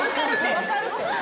分かるて。